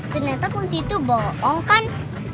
ternyata waktu itu bohong kan